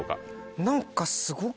何か。